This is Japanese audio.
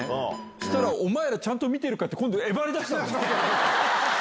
したら、お前らちゃんと見てるかって、今度威張りだしたの。